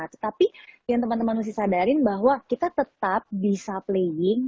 tetapi yang teman teman mesti sadarin bahwa kita tetap bisa playing